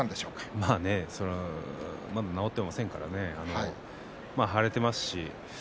まあね、それは治っていませんからね腫れていますし。